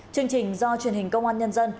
chương trình do truyền hình công an nhân dân